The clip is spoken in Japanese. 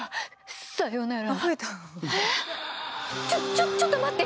ちょちょっちょっと待って！